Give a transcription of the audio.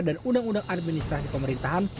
dan undang undang administrasi pemerintahan